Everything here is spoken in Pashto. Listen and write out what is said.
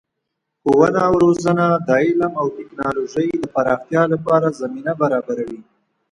ښوونه او روزنه د علم او تکنالوژۍ د پراختیا لپاره زمینه برابروي.